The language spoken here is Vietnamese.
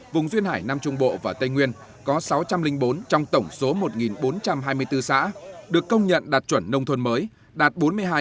vùng duyên hải nam trung bộ và tây nguyên có sáu trăm linh bốn trong tổng số một bốn trăm hai mươi bốn xã được công nhận đạt chuẩn nông thôn mới đạt bốn mươi hai